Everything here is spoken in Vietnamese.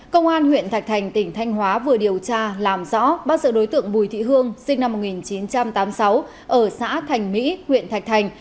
công an huyện thạch thành tỉnh thanh hóa vừa điều tra làm rõ bác sở đối tượng bùi thị hương sinh năm một nghìn chín trăm tám mươi sáu ở xã thành mỹ huyện thạch thành